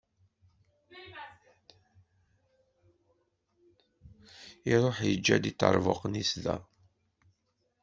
Iruḥ iǧǧa-d iṭerbuqen-is da.